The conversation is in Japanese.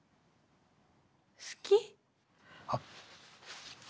好き？あっ。